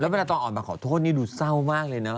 แล้วเมื่อต้องออกมาขอโทษดูเศร้ามากเลยนะ